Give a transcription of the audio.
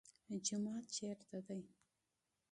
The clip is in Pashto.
مسجد چیرته دی؟